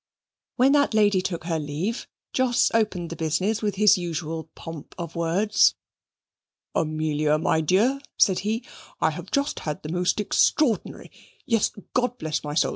When that lady took her leave, Jos opened the business with his usual pomp of words. "Amelia, my dear," said he, "I have just had the most extraordinary yes God bless my soul!